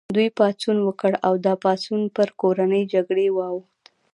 دوی پاڅون وکړ او دا پاڅون پر کورنۍ جګړې واوښت.